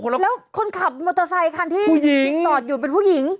แล้วคนขับมอเตอร์ไซค์คันที่จอดอยู่เป็นผู้หญิง